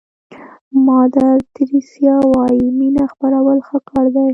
مادر تریسیا وایي مینه خپرول ښه کار دی.